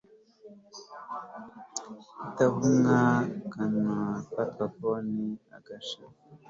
ritamuva mukanwa agafata phone agashaka